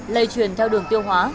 lây truyền theo đường tiêu hóa